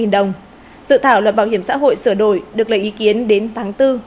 dự thảo luật bảo hiểm xã hội sửa đổi được lấy ý kiến đến tháng bốn